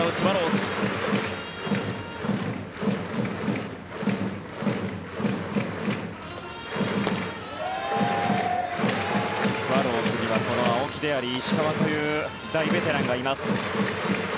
スワローズにはこの青木であり石川という大ベテランがいます。